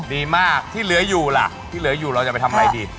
ดีมากที่เหลืออยู่ล่ะที่เหลืออยู่เราจะไปทำอะไรดี